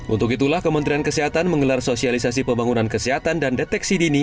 untuk itulah kementerian kesehatan menggelar sosialisasi pembangunan kesehatan dan deteksi dini